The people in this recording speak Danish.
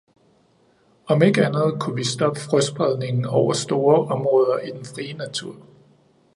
Om ikke andet kunne vi stoppe frøspredningen over store områder i den frie natur!